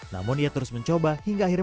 namun ia terus mencoba hingga akhirnya